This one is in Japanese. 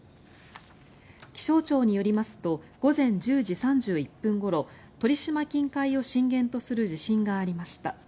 気象庁によりますと午前１０時３１分ごろ鳥島近海を震源とする地震がありました。